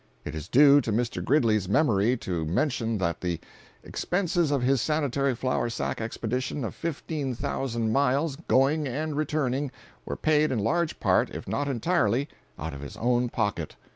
It is due to Mr. Gridley's memory to mention that the expenses of his sanitary flour sack expedition of fifteen thousand miles, going and returning, were paid in large part if not entirely, out of his own pocket.